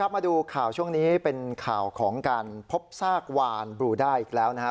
มาดูข่าวช่วงนี้เป็นข่าวของการพบซากวานบลูด้าอีกแล้วนะครับ